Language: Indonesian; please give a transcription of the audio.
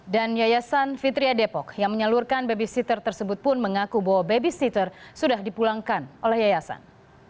dan yayasan fitriya depok yang menyalurkan babysitter tersebut pun mengaku bahwa babysitter sudah dipulangkan oleh yayasan